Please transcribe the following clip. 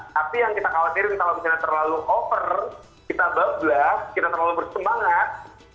tapi yang kita khawatirin kalau misalnya terlalu over kita bablas kita terlalu bersemangat